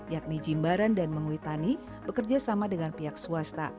yakni jimbaran dan menguitani bekerja sama dengan pihak swasta